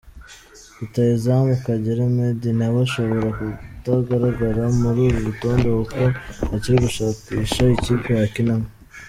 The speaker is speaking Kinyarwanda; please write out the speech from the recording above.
Rutahizamu Kagere Meddie nawe ashobora kutagaragara muri uru rutonde kuko akiri gushakisha ikipe yakinamo.